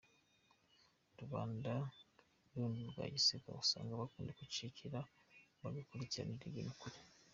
Rubanda rundi rwa giseseka usanga bakunda kwicecekera bakurikiranira ibintu kure.